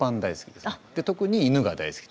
で特に犬が大好き。